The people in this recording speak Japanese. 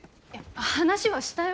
話はしたよ。